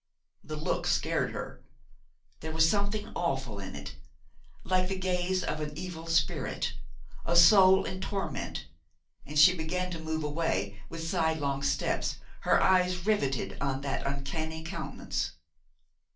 The look scared her. There was something awful in it, like the gaze of an evil spirit, a soul in torment, and she began to move away, with side long steps, her eyes riveted on that uncanny countenance.